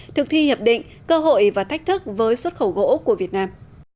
thực thi hiệp định cơ hội và thách thức với xuất khẩu gỗ của việt nam